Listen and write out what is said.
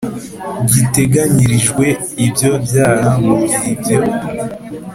giteganyirijwe ibyo byaha mu gihe ibyo